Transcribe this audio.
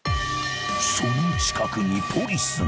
［その近くにポリスが］